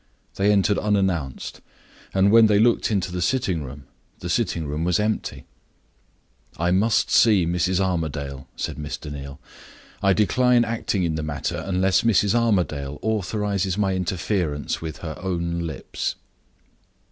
They entered unannounced; and when they looked into the sitting room, the sitting room was empty. "I must see Mrs. Armadale," said Mr. Neal. "I decline acting in the matter unless Mrs. Armadale authorizes my interference with her own lips."